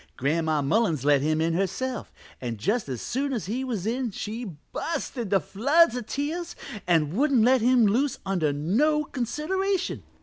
Gran'ma Mullins let him in herself, and just as soon as he was in she bu'st into floods of tears an' wouldn't let him loose under no consideration.